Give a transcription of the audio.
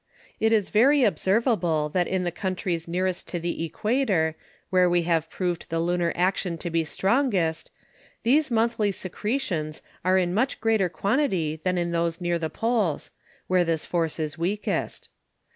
It is very observable that in Countries nearest to the Æquator, where we have proved the Lunar Action to be strongest; these Monthly Secretions are in much greater quantity than in those near the Poles, where this force is weakest.